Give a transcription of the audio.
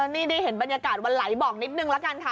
นี่ได้เห็นบรรยากาศวันไหลบอกนิดนึงละกันค่ะ